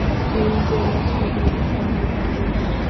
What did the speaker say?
এই জেলার সদর শহর ভাগলপুর।